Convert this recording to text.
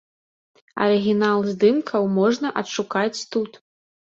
Арыгінал здымкаў можна адшукаць тут.